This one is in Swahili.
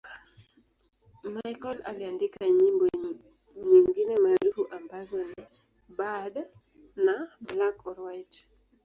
Michael aliandika nyimbo nyingine maarufu ambazo ni 'Bad' na 'Black or White'.